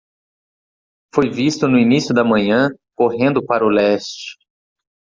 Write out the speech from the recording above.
Foi visto no início da manhã? correndo para o leste.